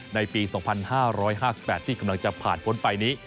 ในปี๒๕๕๘ที่กำลังจะผ่านพ้นไปนี้